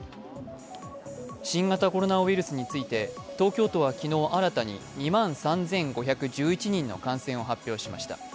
新型コロナウイルスについて東京都は昨日新たに２万３５１１人の感染を発表しました。